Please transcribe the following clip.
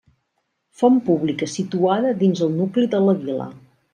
Font pública situada dins el nucli de la vila.